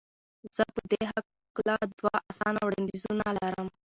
زه په دې هکله دوه اسانه وړاندیزونه لرم.